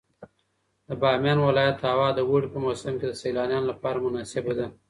د بامیان ولایت هوا د اوړي په موسم کې د سیلانیانو لپاره مناسبه ده.